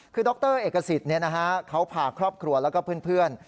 คือดรเอกสิทธิ์เขาพาครอบครัวแล้วก็เพื่อน